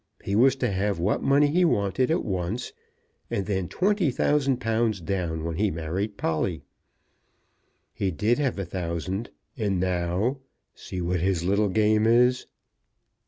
He was to have what money he wanted at once, and then £20,000 down when he married Polly. He did have a thousand. And, now, see what his little game is."